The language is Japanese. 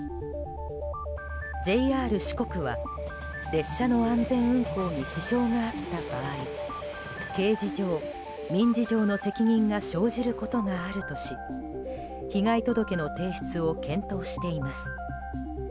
ＪＲ四国は列車の安全運行に支障があった場合刑事上、民事上の責任が生じることがあるとし被害届の提出を検討しています。